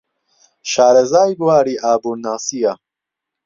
شارەزای بواری ئابوورناسییە.